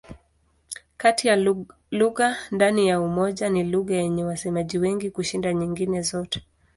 Kati ya lugha ndani ya Umoja ni lugha yenye wasemaji wengi kushinda nyingine zote.